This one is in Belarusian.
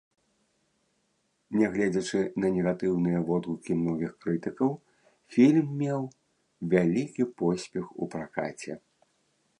Нягледзячы на негатыўныя водгукі многіх крытыкаў, фільм меў вялікі поспех у пракаце.